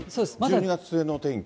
１２月末のお天気。